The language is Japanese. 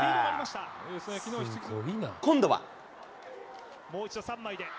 今度は。